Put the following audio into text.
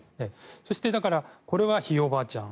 そして、これはひいおばあちゃん